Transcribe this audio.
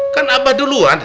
kan abah duluan